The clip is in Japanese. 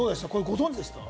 ご存じでしたか？